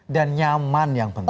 dan nyaman yang penting